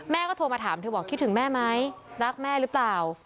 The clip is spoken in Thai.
โทรมาถามเธอบอกคิดถึงแม่ไหมรักแม่หรือเปล่า